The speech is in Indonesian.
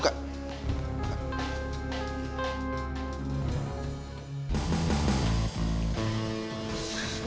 kau tahu itu